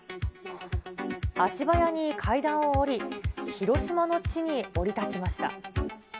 足早に階段を下り、広島の地に降り立ちました。